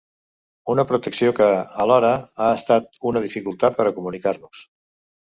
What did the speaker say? Una protecció que, alhora, ha estat una dificultat per a comunicar-nos.